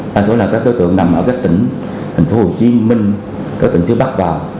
đa số là các đối tượng nằm ở các tỉnh thành phố hồ chí minh các tỉnh phía bắc vào